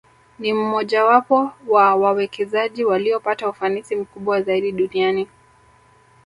Ni mmojawapo wa wawekezaji waliopata ufanisi mkubwa zaidi duniani